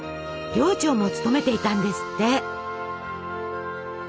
寮長も務めていたんですって。